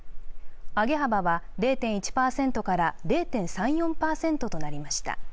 上げ幅は０．１％から０．３４％となりました。